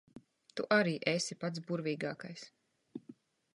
Tu arī esi pats burvīgākais.